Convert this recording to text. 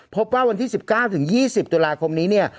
พบว่าวันที่๑๙๒๐ตุลาคมนี้เนี่ย